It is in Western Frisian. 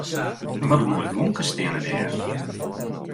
Wat in moaie blomkes steane dêr.